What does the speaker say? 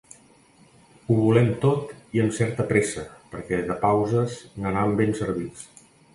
Ho volem tot i amb certa pressa perquè de pauses n’anam ben servits.